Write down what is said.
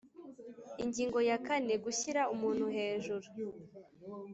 Ingingo ya kane Gushyira umuntu hejuru